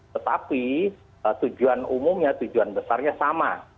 tetapi tujuan umumnya tujuan besarnya sama